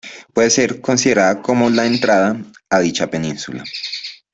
Puede ser considerada como la "entrada" a dicha península.